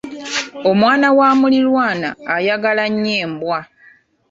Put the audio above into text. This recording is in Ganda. Omwana wa muliraanwa ayagala nnyo embwa.